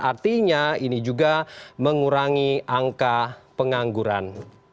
artinya ini juga mengurangi angka pengangguran